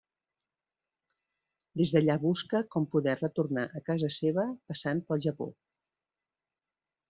Des d'allà busca com poder retornar a casa seva, passant pel Japó.